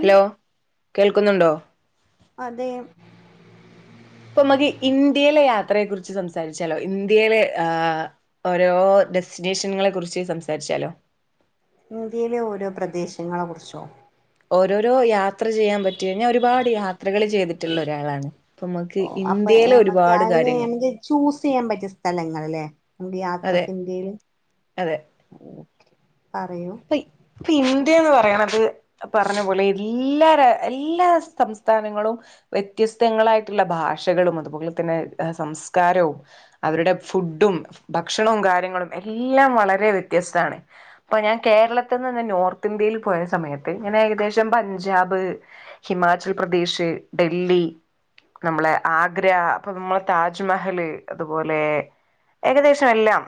Hello കേൾക്കുന്നുണ്ടോ അതെ ഇപ്പൊ മതി ഇന്ത്യയിലെ യാത്രയെക്കുറിച്ച് സംസാരിച്ചാലോ ഇന്ത്യയിലെ ആഹ് ഓരോ ഡെസ്റ്റിനേഷനുകളെ കുറിച്ച് സംസാരിച്ചാലോ ഇന്ത്യയിലെ ഓരോ പ്രദേശങ്ങളെ കുറിച്ചോ ഓരോരോ യാത്ര ചെയ്യാൻ പറ്റി ഞാൻ ഒരുപാട് യാ ത്രകൾ ചെയ്തിട്ടുള്ള ഒരാളാണ് ഇപ്പമ്മക്ക് ഓ, അപ്പൊ ഇന്ത്യയിലെ നമ്മക്ക് ഒരുപാട് അതിന് കാര്യങ്ങൾ നമുക്ക് ചൂസ് ചെയ്യാൻ പറ്റിയ സ്ഥലങ്ങല്ലെ ഇന്ത്യ അതെ യാത്രക്ക് ഇന്ത്യയില് അതെ പറയൂ ഇപ്പ ഇപ്പ ഇന്ത്യേന്ന് പറയണത് അ പറഞ്ഞ പോലെ ഇല്ലാര എല്ലാ സംസ്ഥാനങ്ങളും വ്യത്യസ്തങ്ങളായിട്ടുള്ള ഭാഷകളും അതുപോലെ തന്നെ ആ സംസ്കാരവും അവരുടെ ഫുഡും ഭക്ഷണവും കാര്യങ്ങളും എല്ലാം വളരെ വ്യത്യസ്താണ് പ്പൊ ഞാൻ കേരളത്തിന്ന് ഞാൻ നോർത്ത് ഇന്ത്യയില് പോയ സമയത്ത് ഞാൻ ഏകദേശം പഞ്ചാബ് ഹിമാചൽ പ്രദേശ്, ഡല്ലി നമ്മളെ ആഗ്ര അപ്പൊ മ്മളെ താജ്മഹല് അതുപോലെ ഏകദേശം എല്ലാം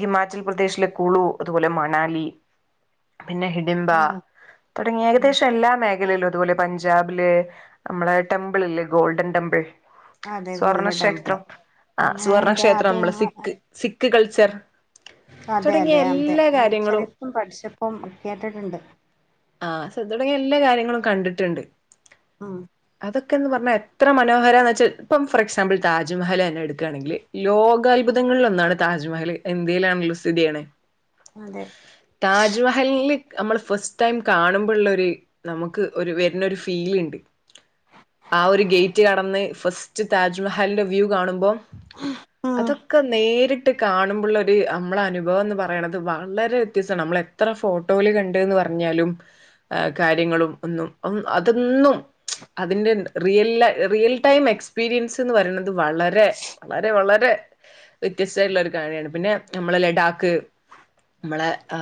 ഹിമാചൽ പ്രദേശിലെ കുളു അതുപോലെ മണാലി പിന്നെ ഹിടിമ്പ ആണോ തുടങ്ങി ഉം ഏകദേശം എല്ലാ മേഖലയിലും ഇതുപോലെ പഞ്ചാബില് നമ്മളെ ടെമ്പിൾ അല്ലേ ഗോൾഡൻ ടെമ്പിൾ അതെ ഗോൾഡൻ ടെമ്പിള് സുവർണക്ഷേത്രം ആ ഞാൻ അയിന്റെ സുവർണക്ഷേത്രം അതെ നമ്മള് സിക്ക് സിക്ക് കൾച്ചർ അതെ തുടങ്ങിയ അതെ അതെ എല്ലാ ഞാ കാര്യങ്ങളും ചെരിപ്പം പഠിച്ചപ്പും ഒ കേട്ടിട്ടുണ്ട് ആഹ് സ തുടങ്ങിയ എല്ലാ കാര്യങ്ങളും കണ്ടിട്ടുണ്ട് ഉം അതൊക്കെന്ന് പറഞ്ഞാ എത്ര മനോഹര എന്ന് വച്ചാൽ ഇപ്പം ഫോർ എക്സാമ്പിൾ താജ്മഹൽ തന്നെ എടുക്കയാണെങ്കിൽ ലോകാത്ഭുതങ്ങളിൽ ഒന്നാണ് താജ്മഹൽ എന്തേലാണല്ലോ സ്ഥിതിയാണ് അതെ താജ്മഹലില് നമ്മള് ഫസ്റ്റ് ടൈം കാണുമ്പോഴുള്ള ഒരു നമുക്ക് ഒരു വരുന്ന ഒരു ഫീൽ ഉണ്ട് ആ ഒരു ഗേറ്റ് കടന്ന് ഫസ്റ്റ് താജ്മ മഹാലിൻ്റെ വ്യൂ കാണുമ്പോൾ ഉം അതൊക്കെ നേരിട്ട് ട്ട് കാണുമ്പള്ള ഒരു നമ്മള അനുഭവം എന്ന് പറയണത് വളരെ വ്യത്യസ്സണ് നമ്മൾ എത്ര ഫോട്ടോൽ കണ്ടന്ന് പറഞ്ഞാലും ആ കാര്യങ്ങളും ഒന്നും അതൊന്നും അതിറന്റെ റിയൽ റിയൽ ടൈം എക്സ്പീരിയൻസ് എന്ന് പറയുന്നത് വളരെ വളരെ വളരെ വ്യത്യസ്തമായിട്ടുള്ള ഒരു കാണയാണ് പിന്നെ നമ്മളെ ലഡാക്ക് നമ്മളെ ആ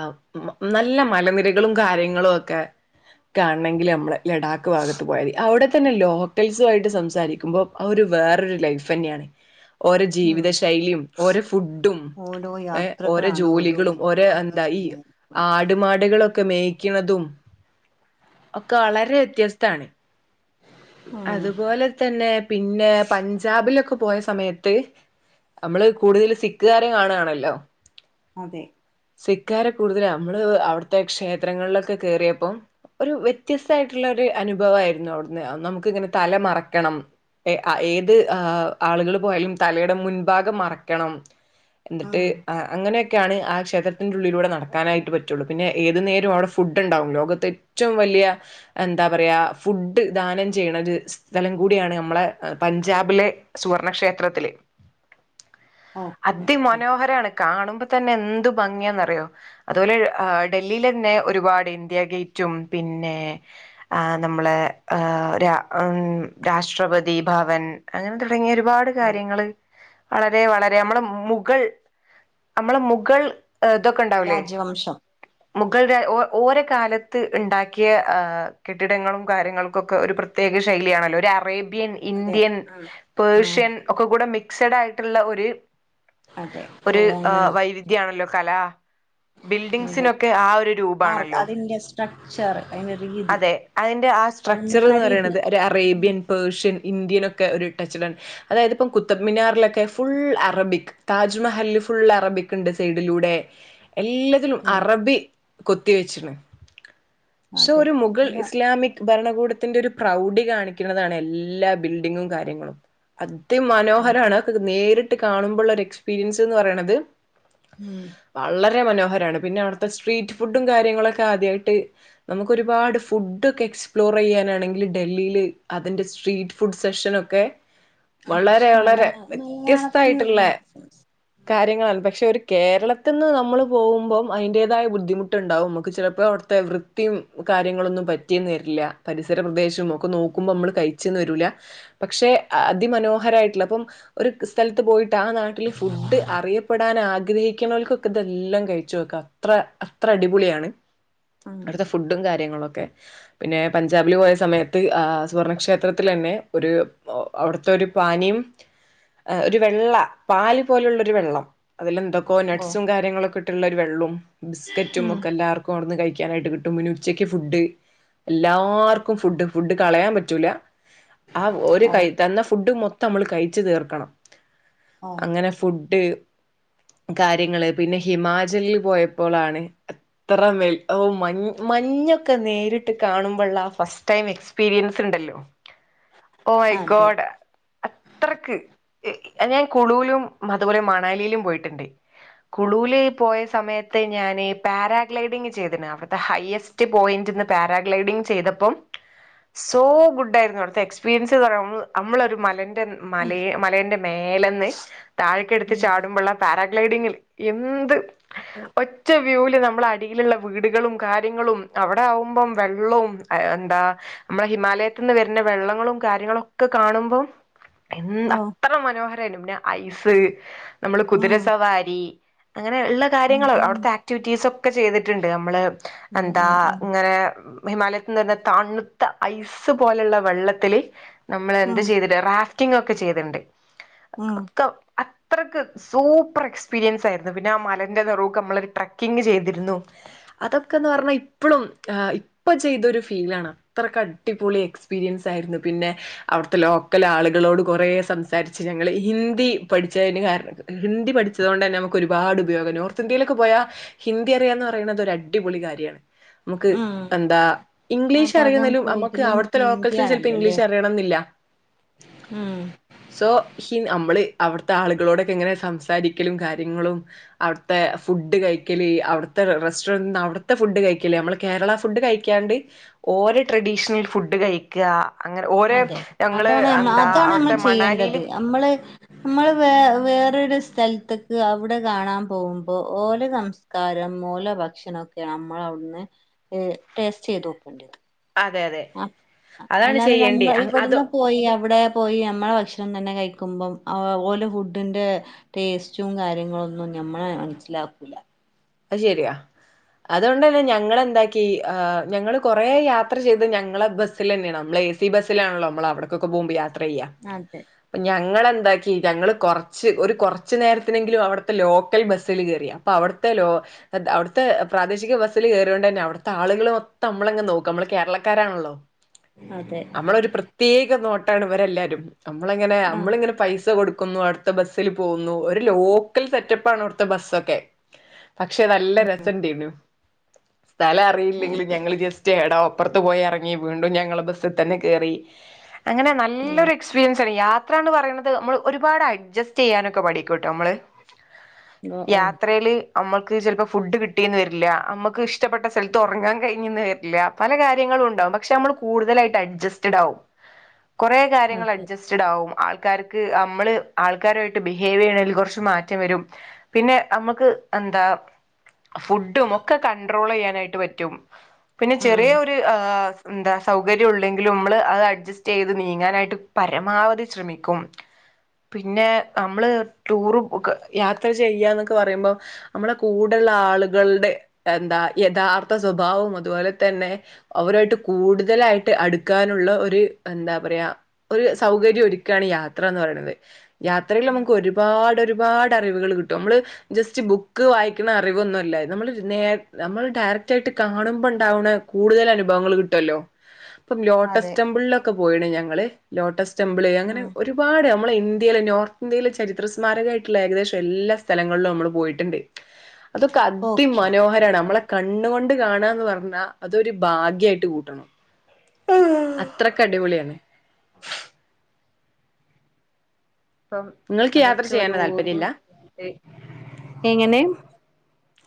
നല്ല മലനിരകളും കാര്യങ്ങളും ഒക്കെ കാണെങ്കിൽ നമ്മള് ലഡാക്ക് ഭാഗത്ത് പോയാതി അവിടെ തന്നെ ലോക്കൽസു ആയിട്ട് സംസാരിക്കുമ്പോൾ അവര് വേറരു ലൈഫ് തന്നെയാണ് ഓരോ ഉം ജീവിത ശൈലിയും ഓരോ ഫുഡും ഓരോ ഏ ഓരോ യാത്രകളാണ് ജോലികളും ഓരോ അനുഭവങ്ങൾ എന്താ ഈ ആ സമ്മാനിക്കുന്നത് ആടുമാ ട്കളൊക്കെ മേക്കുന്നതും ഒക്കെ വളരെ വ്യത്യസ്താണ് ഉം അതുപോലെ തന്നെ പിന്നെ പഞ്ചാബിലൊക്കെ പോയ സമയത്ത് നമ്മള് കൂടുതൽ സിക്കുകാരെ കാണണല്ലോ അതെ സിക്കാര കൂടുതലാ നമ്മള് അവിടുത്തെ ക്ഷേത്രങ്ങളിലൊക്കെ കേയറിയപ്പം ഒരു വ്യത്യസ്തയിട്ടുള്ള ഒരു അനുഭവയിരുന്നു അവിടുന്ന് നമ്മക്ക് ഇങ്ങനെ തല മറക്കണം ഏ ഏത് ആഹ് ആളുകൾ പോയാലും തലയുടെ മുൻഭാഗം മറക്കണം ന്ന്ട്ട് ഉം ആഹ് അങ്ങനെയൊക്കെയാണ് ആഹ് ക്ഷേത്രത്തിൻ്റെ ഉള്ളിലൂടെ നടക്കാനായിട്ട് പറ്റുള്ളൂ പിന്നെ ഏതു നേരം അവിടെ ഫുഡ് ഉണ്ടാാവും ലോകത്ത് ഏറ്റവും വലിയ എന്താ പറയാ ഫുഡ് ദാനം ചെയ്യണത്ത് സ്ഥലം കൂടിയാണ് നമ്മളെ പഞ്ചാബിലെ സുവർണക്ഷേത്രത്തില് [inaudible] ആഹ് അതിമനോഹരാണ് കാണുമ്പോ തന്നെ എന്തു ഭംഗിയന്ന്റിയോ അതുപോലെ ഡൽഹില് ലന്നെ ഒരുപാട് ഇന്ത്യ ഗേറ്റും പിന്നെ ആഹ് നമ്മളെ ആഹ് രാ ഉം രാഷ്ട്രപതി ഭവൻ അങ്ങനെ തുടങ്ങിയ ഒരുപാട് ഉം കാര്യങ്ങള് വളരെ വളരെ നമ്മള് മുകൾ നമ്മള് മുകൾ ഇതൊക്കെ ഉണ്ടാവുലേ രാജവംശം മുഗൾ രാ ഓ ഓരോ കാലത്ത് ഇണ്ടാക്കിയ ആഹ് കെട്ടിടങ്ങളും കാര്യങ്ങൾകൊക്കെ ഒരു പ്ര പ്രത്യേക ശൈലിയാണല്ലോ ഒര അറേബ്യൻ അതെ ഇന്ത്യൻ ആഹ് ആഹ് പേഷ്യൻ ഒക്കെ കൂടെ മിക്സഡ് ആയിട്ട്ള്ള ഒര് അതെ ഒര് റോമൻ വൈവി ദ്യയാണല്ലോ കല അതെ ബിൽഡിംസിനൊക്കെ ആഹ് ഒരു ആഹ് രൂപാണല്ലോ അതിന്റെ സ്ട്രക്ചർ അതിന്റെ രീതി അതെ അയിൻ്റെ ആഹ് സ്ട്രക്ചറ് നിർമ്മാണ ന്ന് രീതി പറിണത് ഒര അറേബ്യൻ പേർഷ്യൻ ഇന്ത്യനൊക്കെ ഒര് ടച്ചിലാണ് അതായത് ഇപ്പം കുത്തബ് മിനാറിലൊക്കെ ഫുൾ അറബിക് താജ്മഹൽ ഫുൾ അറബിക്ക്ണ്ട് സൈഡിലൂടെ എല്ല തിലും ഉം അറബി കൊത്തി വെച്ച്ണ് പക്ഷെ അതെ ഒരു മുഗൾ ഇവിടെ ഇസ്ലാമി ഭരണകൂടത്തിന്റെ ഒരു പ്രൗഢി കാണിക്കണതാണ് എല്ലാ ബിൽഡിങ്ങും കാര്യങ്ങളും. അദി മനോഹരാണ് അഹ് ക്കെ നേരിട്ട് കാണുമ്പള്ള ര് എക്സ്പീരിയൻസ്ന്ന് പറിണത്. ഉം വളളരെ മനോഹരാണ് പിന്നെ അവട്ത്തെ സ്ട്രീറ്റ് ഫുഡും കാര്യങ്ങളൊക്കെ ആദ്യയിട്ട്. നമുക്ക് ഒരുപാട് ഫുഡ്‌ടൊക്കെ എക്സ്പ്ലോറയ്യാനാണെങ്കില്. ഡൽഹില് അതിൻറെ സ്ട്രീറ്റ് ഫുഡ് സെഷനൊക്കെ. വളരെ വളരെ മലയാ മലയാളത്തിൽ വ്യത്യസ്തായിട്ട്ള്ളേ. നം കാര്യങ്ങളാണ് പക്ഷെ ഒരു കേരളത്ത്ന്ന് നമ്മൾ പോവുമ്പോം അയിന്റെതായ ബുദ്ധിമുട്ട്ണ്ടാവും മ്മക്ക് ചിലപ്പോഅവ് ത്തെ വൃത്തിയും കാര്യങ്ങ്ളൊന്നും പറ്റിന്ന് വരില്ല പരിസര പ്രദേശം ഒക്കെ അതെ നോക്കുമ്പോ മ്മള് കൈ ച്ച്ന്ന് വരൂല പക്ഷെ അതിമനോഹരമായിട്ടുള്ള പ്പം. ഒരു സ്ഥലത്ത് പോയിട്ട് ആഹ് നാട്ടില് ഫുഡ് അറിയപ്പെടാൻ ആഗ്രഹിക്ക് ണോൽക്കൊക്കെ ഇതെല്ലാം കഴിചോക്കാ ത്ര അത്ര അടിപൊളിയാണ്. ആഹ് അട്ത്തെ ഫുഡും കാര്യങ്ങളൊക്കെ പിന്നെ പഞ്ചാബിൽ പോയ സമയ ത്ത് ആഹ് സ്വർണക്ഷേത്രത്തിലന്നെ ഒര് അവിടുത്തെരു പാനീയം ഒര് വെള്ള പാല് പോലുള്ളരു വെള്ളം. അതിലന്തക്കോ ഓ നട്ട്സും കാര്യങ്ങളൊക്കട്ടുള്ളരു വെള്ളും ബിസ്ക്കറ്റും ഉം ഒക്കെ എല്ലാർ കൊട്ന്ന് കഴിക്കാനായിട്ട് കിട്ടും പിന്നെ ഉച്ചക്ക് ഫുഡ് എല്ലാർക്കും ഫുഡ് ഫുഡ് കളയാൻ പറ്റൂല ആഹ് ഒരു ഓ കൈ തന്ന ഫുഡ് മൊ ത്തം മ്മൾ കഴിച്ച് തീർക്കണം ഓ അങ്ങനെ ഫുഡ്. കാര്യങ്ങള് പിന്നെ ഹിമാജല് പോയപ്പോളാണ് അത്രമേൽ ഒ മഞ് മഞ്ഞൊക്കെ നേരിട്ട് കാണുമ്പള്ള ആ ഫസ്റ്റ് ടൈം എക്സ് പീരിൻസ് ണ്ടല്ലോ ഓ ഐ അതെ ഗോഡ് അത്രക്ക് ഹ് ഞാൻ കുളുലും അത്പോലെ മണാലിലും പോയിട്ട്ണ്ട് കുളൂൽ പോയസമയത്ത് ഞാനീ പാരാഗ്ലൈഡിങ് ചെയ്തിന് അവിടുത്തെ ഹയ്യസ് റ്റ് പോയിന്റ്ന്ന് പാരാഗ്ലൈഡിംഗ് ചെയ്തപ്പം സോ ഗുഡായിരുന്നു അവിട്ത്തെ എക്സ്പീരിയൻസ്ന്ന് പറയുമ്ള് അമ്മളൊരു മലന്റെ മലെ മലന്റെ മേലന്ന് താഴ്ക്കടുത്ത് ഉം ചാടുമ്പള്ള പാരാഗ്ലൈഡിങ്ങിൽ എന്ത് [unintelligible] ഒറ്റവ്യൂല് ന്നമ്മള അടീല്ള്ള വീടുകളും കാര്യങ്ങളും അവടആവുമ്പം വെള്ളും ആ എന്താ മ്മളെ ഹിമാലയത്ത്ന്ന് വര്ന വെള്ളങ്ങളും കാര്യങ്ങളൊക്കെ കാണുമ്പോ എൻ ഓ അ ത്ര മനോഹരയ്നു പിന്ന ഐസ് ന്നമ്മള് ഉം കുതിരസവാരി അങ്ങനെള്ള ഉം കാര്യങ്ങൾ ഉം അവ്ട്ത്തെ ആക്ടിവിറ്റീസ് ഒക്കെ ചെയ്തിട്ട്ണ്ട് അമ്മള് ഉം എന്താ ഉം ഉം ഇങ്ങനെ ഹിമാലയത്ത്ന്ന് ര്ണ തണ്ത്ത ഐസ് പോലെള്ള വെള്ളത്തിൽ നമ്മൾ എന്ത് ഉം ചെയ്തി ട്ട് റഫ്റ്റിങ്ങൊക്കെ ചെയ്ത്ണ്ട് ഉം ഒക്കെ അത്രക്ക് സൂപ്പർ എക്സ്പീരിയൻസായിരുന്നു പിന്നെ ആ മലന്റെ ന്നറൂക്ക് മ്മളൊരു ട്രക്കിങ്ങ് ചെയ്തിരുന്നു. അതൊക്കെ ന്ന് പറഞ്ഞാ ഇപ്പളും ഇപ്പ ചെയ്തൊരു ഫീലാണ് അത്രക്ക് അടിപൊളി എക്സ്പീരിയൻസായിരുന്നു പിന്നെ അവ്ട്ത്തെ ലോക്കലാളുകളോട് കൊറെ സംസാരിച്ച് ഞങ്ങള് ഹിന്ദി പഠിച്ചേന് കാരണം ഹിന്ദി പഠിച്ചതോണ്ടന്നെ നമുക്ക് ഒരുപാട് ഉപയോഗം നോർത്ത് ഇന്ത്യയിലൊക്കെ പോയാ ഹിന്ദി അറിയാന്ന് പറയിണത് ഒര്അടിപൊളി കാര്യാണ് മ്മക്ക് ഉം എന്താ ആ ഇംഗ്ലീഷ് ഷ് ഭാഗം അറിയുന്നേലും അമ്മക്ക് കൂടുതലും അവട്ത്തെ ലോക്കൽസ്ന് ചെൽപ്പോം ഹിന്ദിയാണല്ലോ അല്ലേ ഇംഗ്ലീഷ്റിയണം ന്നില്ല ഉം സോ ഹി മ്മള് അവട്ത്തെ ആളുകളോടൊക്കെ എങ്ങനെ സംസാരിക്കലും കാര്യങ്ങളും അവട്ത്തെ ഫുഡ് കഴിക്കല് അവട്ത്തെ റ റെസ്റ്റോറന്റ് അവിട്ത്തെ ഫുഡ് കഴിക്കൽ മ്മളേ കേരള ഫുഡ് കഴി ക്യാണ്ട് ഓരോ ട്രഡീഷണൽ ഫുഡ് കഴിക്ക അതെ അതാണ് നമ്മ അതാണ് നമ്മൾ അവിടുത്തെ ചെയ്യേണ്ടത് മണാലിയില് അ മ്മള് നമ്മള് വേ വേറരു സ്ഥലത്ത്ക്ക് അവ്ടെ കാണാൻ പോവുമ്പോ ഓലോ സംസ് കാരം ഓലെഭക്ഷണൊക്കെ നമ്മളവ്ട്ന്ന് ട്ടേ ടേസ്റ്റയ്തോകണ്ട്യത് അതെ അതെ ആ ആ അതാണ് അല്ലാതെ ചെയ്യേണ്ടി നമ്മ അങ് അത് ഇവട്ന്ന് പോയി അവടെ പോയി നമ്മളെ ഭക്ഷണം തന്നെ കഴിക്കുമ്പം അ ഓലെ ഫുഡിൻ്റെ ടേസ്റ്റും കാര്യങ്ങളൊന്നും ഞമ്മള് മനസ്സിലാക്കൂല അയ്ശെരിയ അതോണ്ടെന്നെ ഞങ്ങളെന്താക്കി ആ ഞങ്ങള് കൊറെ യാത്ര ചെയ്ത് ഞങ്ങളെ ബസ് സിലെന്നെ നമ്മളെ ഏ സി ബസ്സിലാണല്ലോ നമ്മൾ അവിടക്കൊക്കെ പോകുമ്പോ യാത്രയ്യാ അതെ പ്പ ഞങ്ങളെന്താക്കി ഞങ്ങള് കൊർച്ച് ഒരു കൊർച്ച് നേരത്തിനെങ്കിലു അവടത്തെ ലോക്കൽ ബസ്സിൽ കേറി അപ്പ അവ ത്തെ ലോ ത്ത അവ്ട്ത്തെ പ്രാദേശിക ബസ്സില് കേറിയോണ്ടെന്നെ അവ്ട്ത്തെ ആള്കള് മൊത്തം നമ്മളങ നോക്കും നമ്മള് കേരളക്കാരാണല്ലോ ആഹ്. അതെ നമ്മളൊരു പ്രത്യേക നോട്ടാണ് ഇവരെല്ലാരും നമ്മളങ്ങനെ ആഹ് നമ്മളിങ്ങനെ പൈസ കൊടുക്കുന്നു അട് ത്ത ബസ്സില് പോവുന്നു ഒരു ലോക്കൽ സെറ്റപ്പാണ് അവ്ട്ത്തെ ബസ്സൊക്കെ പക്ഷെ നല്ല രസന്റേനു സ്ഥലറില്ലെങ്കിലും അതെ ഞങ്ങള് ജസ് റ്റ് ഏടെ അപ്പർത്ത് പോയി എറങ്ങി വീണ്ടും ഞങ്ങള ബസ്സി തന്നെ കേറി അങ്ങനെ നല്ലൊരു ഉം എക്സ്പിരിയൻസാണ് യാ യാത്രാന്ന് പറിണത് നമ്മള് ഒരുപാട് അഡ്ജസ്റ്റ് ചെയ്യാനൊക്കെ പഠിക്കുട്ടോ നമ്മള് ഓ ഓ യാത്രേല് അമ്മക്ക് ചെലപ്പോ ഫുഡ് കിട്ടീന്ന് വരില്ല അമ്മക്ക് ഇഷ്ടപ്പെട്ട സ്ഥലത്ത് ഒറങ്ങാൻ കഴിഞ്ഞ്ന്ന് വരില്ല പല കാര്യങ്ങളും ഇണ്ടാവും പക്ഷെ നമ്മള് കൂടുതലായിട്ട് അഡ്ജസ്റ്റഡ് ആവും കൊറേ കാര്യങ്ങള് അതെ അഡ്ജസ് സ്റ്റ്ഡാവും ആൾക്കാർക്ക് അമ്മള് ആൾക്കാരുവായിട്ട് ബിഹേവെയ്യ്ണേല് കൊർച്ച് മാറ്റം വരും. പിന്നെ അമ്മക്ക് എന്താ ഫുഡും ഒക്കെ കൺണ്ട്രോളെയ്യാനായിട്ട് പറ്റും. പിന്നെ ഉം ചെറിയൊര്. ഏഹേ എന്താ സൗകര്യം ഉള്ളെങ്കിലും അമ്മള് അത് അഡ്ജസ്റ്റെയ്ത് നീങ്ങാനായിട്ട് പരമാവധി ശ്രമി ക്കും പിന്നെ അമ്മള് ടൂറും ഒക്കെ യാത്ര ചെയ്യാന്നൊക്കെ പറിമ്പോ. അമ്മളെ കൂടെള്ള ആളുകളുടെ എന്താ യഥാർത്ഥ സ്വഭാവം അതുപോലെ തന്നെ. അവരുവായിട്ട് കൂടുതലായിട്ട് അടുക്കാനുള്ള ഒരു എന്താ പറയാ ഒരു സൗകര്യം ഒരുക്കാണ് യാത്രാന്ന് പറിണത്. ഉം യാത്രയിലമക്ക് ഒരുപാട് ഒരുപാട് അറിവുകള് കിട്ടും നമ്മള് ജസ്റ്റ് ബുക്ക് വായിക്ക്ണ അറിവൊന്നു അല്ല ഞ്ഞമ്മള് നേ നമ്മള് ഡയറക്റ്റായിട്ട് കാണുമ്പോ ഇണ്ടാവ്ണെ. കൂടുതല് അനുഭവങ്ങള് കിട്ടുവല്ലോ ഇപ്പം ലോട്ടസ് അതെ ടെമ്പിളിലൊക്കെ പോയിണ് ഞങ്ങള് ലോട്ടസ് ടെമ്പിള് അങ്ങനെ ഉം ഒരുപാ ട് ഞ്ഞമ്മളെ ഇന്ത്യയിലെ നോർത്ത് ഇന്ത്യയിലെ ചരിത്ര സ്മാരകമായിട്ടുള്ള ഏകദേശം എല്ലാ സ്ഥലങ്ങ ൾളും അമ്മള് പോയിട്ട്ണ്ട് അതൊക്കെ ഓക്കെ അതിമനോഹരാണ് അമ്മളെ കണ്ണു കൊണ്ട് കാണാന്ന് പർഞ്ഞാ അതൊരു ഭാഗ്യായിട്ട് കൂട്ടണം അത്രക്ക് അടിപൊളിയാണ് ഇപ്പം നിങ്ങൾക്ക് യാത്ര അതൊക്കെ ചെയ്യാൻ ഒരു താല്പര്യം ഓർമ്മ ഇല്ല ആയി എങ്ങനെ?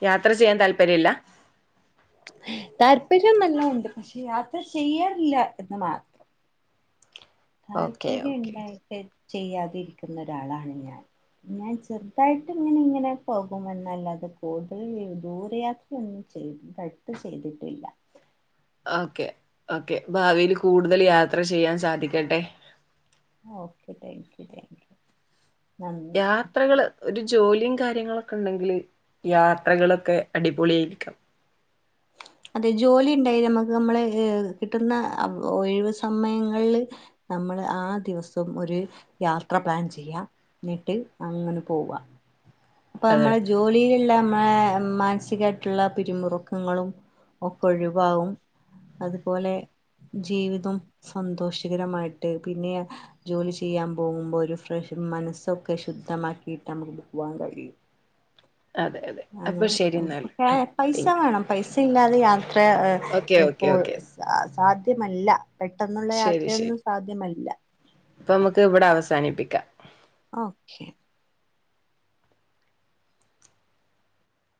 യാത്ര ചെയ്യാൻ താല്പര്യില്ല? താല്പര്യം എല്ലാം ഉണ്ട് പക്ഷെ യാത്ര ചെയ്യാറില്ല എന്ന് മാ ഓക്കെ താല്പര്യം ഓക്കെ ഇണ്ടായിട്ട് ചെയ്യാതിരിക്ക്ന്ന ഒര് ആളാണ് ഞാൻ. ഞാൻ ചെറ്തായിട്ട് ഇങ്ങനെ ഇങ്ങനെ പോകുമന്നല്ലാതെ കൂടുതല് ദൂര യാ ത്രയൊന്നും ചെയ്ത് അടുത്ത് ചെയ്തിട്ടില്ല. ഓക്കേ ഓക്കെ ഭാവിയില് കൂടുതല് യാത്ര ചെയ്യാൻ സാധിക്കട്ടെ. ഓക്കെ താങ്ക്യൂ താങ്ക്യൂ യാത്രകള് ഒരു ജോലിയും കാര്യങ്ങളൊക്കെ ഇണ്ടെങ്കില് യാത്രകളൊക്കെ. അടിപൊളിയായിരിക്കാം അതെ ജോലി ഇണ്ടേല് നമക്ക് നമ്മളെ ഏഹേ കിട്ടുന്ന ഒഴിവ് സമയങ്ങള്ല് നമ്മള് ആ ദിവസം ഒര് യാത്ര പ്ലാൻ ചെയ്യാം എന്നിട്ട് അങ്ങനെ പോവാ. അപ്പൊ അതെ നമ്മളെ ജോലിയിലുള്ളെ നമ്മളെ മാനസികായിട്ടുള്ള പിരിമുറുക്ക ങ്ങളും ഒക്കെ ഒഴിവാവും അതുപോലെ ജീവിതം സന്തോഷകരമായിട്ട് പിന്നെയാ ജോലി ചെയ്യാൻ പോകുമ്പോ ഒരു ഫ്രഷ് മനസ്സൊക്കെ ശുദ്ധമാക്കിയിട്ട് നമുക്ക് പോവാൻ കഴിയും. അതെ അതെ അപ്പൊ ശരിന്നാല് ട്ടോ താങ്ക്യൂ പൈസയില്ലാതെ യാത്ര എഹ് ഓക്കെ ഓക്കെ ഇപ്പോൾ ഓക്കെ സാധ്യമല്ല പെട്ടെന്നുള്ള ശരി യാത്രയൊന്നും ശരി സാധ്യമല്ല. അപ്പൊ ഞ്ഞമ്മക്ക് ഇവടെ അവസാനിപ്പിക്കാം. ഓക്കെ